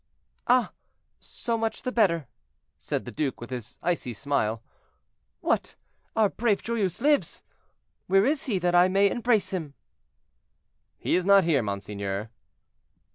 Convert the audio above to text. "Ah! so much the better," said the duke, with his icy smile. "What! our brave Joyeuse lives! Where is he, that I may embrace him?" "He is not here, monseigneur."